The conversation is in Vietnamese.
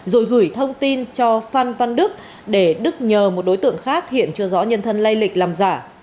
rồi gửi thông tin cho phan văn đức để đức nhờ một đối tượng khác hiện chưa rõ nhân thân lây lịch làm giả